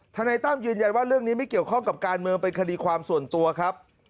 นายตั้มยืนยันว่าเรื่องนี้ไม่เกี่ยวข้องกับการเมืองเป็นคดีความส่วนตัวครับ